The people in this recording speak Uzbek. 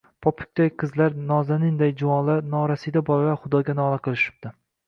Popukday qizlar, nozaninday juvonlar, norasida bolalar Xudoga nola qilishibdi.